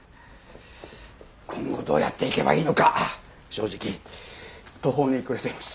今後どうやっていけばいいのか正直途方に暮れています。